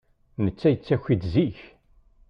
Netta yettaki-d zik.